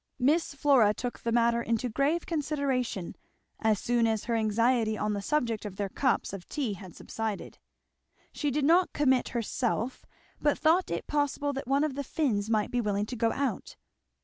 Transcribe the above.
Miss Flora took the matter into grave consideration as soon as her anxiety on the subject of their cups of tea had subsided. She did not commit herself, but thought it possible that one of the Finns might be willing to go out.